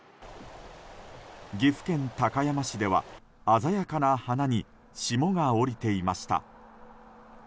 岐阜県高山市では、鮮やかな花に霜が降りていました。